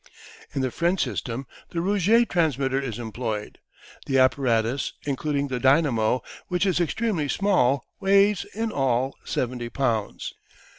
In the French system the Reuget transmitter is employed. The apparatus, including the dynamo, which is extremely small, weighs in all 70 pounds.